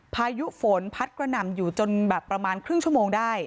พายุฝนพัดกระหน่ำอยู่จนแบบประมาณครึ่งชั่วโมงได้